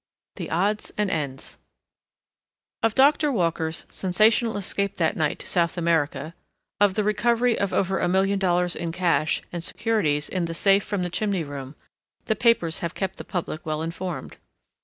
THE ODDS AND ENDS Of Doctor Walker's sensational escape that night to South America, of the recovery of over a million dollars in cash and securities in the safe from the chimney room—the papers have kept the public well informed.